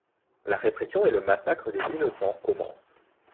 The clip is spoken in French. La répression et le massacre des innocents commencent.